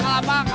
yang lain nunggu